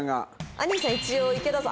あにーさん一応池田さん